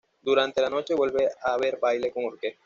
Durante la noche vuelve a haber baile con orquesta.